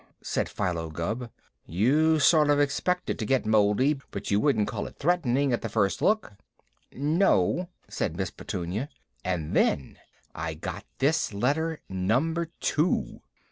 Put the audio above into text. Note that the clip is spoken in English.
said Philo Gubb. "You'd sort of expect it to get mouldy, but you wouldn't call it threatening at the first look." "No," said Miss Petunia. "And then I got this letter Number Two."